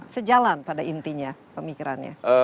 sejalan pada intinya pemikirannya